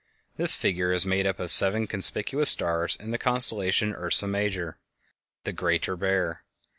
This figure is made up of seven conspicuous stars in the constellation Ursa Major, the "Greater Bear."